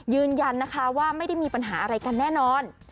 ยืนยันนะคะว่าไม่ได้มีปัญหาอะไรกันแน่นอน